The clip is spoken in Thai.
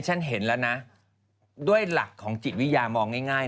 โดยเป็นความจิตวิญญามองง่าย